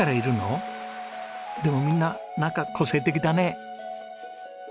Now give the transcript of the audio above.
でもみんななんか個性的だね。